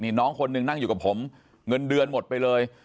นี่น้องคนหนึ่งนั่งอยู่กับผมเงินเดือนหมดไปเลย